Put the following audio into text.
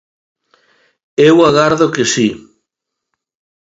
Eu agardo que si.